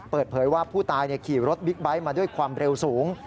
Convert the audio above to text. เปิดเผยว่าผู้ตายขี่รถบิ๊กไบท์มาด้วยความเร็วสูง